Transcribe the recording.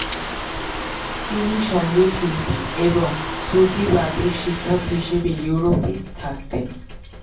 তিনি সংগীতশিল্পী এবং সুফিবাদের শিক্ষক হিসাবে ইউরোপে থাকতেন।